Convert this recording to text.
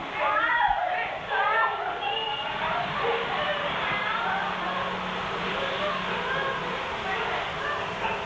สวัสดีครับ